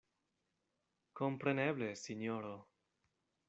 Kompreneble, sinjoro!